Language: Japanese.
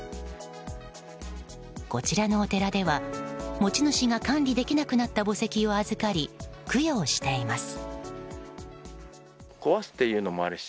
こちらのお寺では、持ち主が管理できなくなった墓石を預かり供養しています。